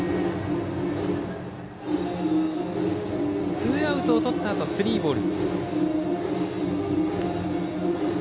ツーアウトをとったあとスリーボール。